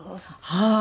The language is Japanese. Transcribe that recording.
はい！